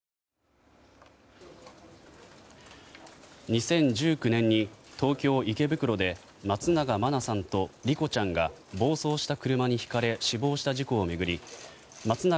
２０１９年に東京・池袋で松永真菜さんと莉子ちゃんが暴走した車にひかれ死亡した事故を巡り松永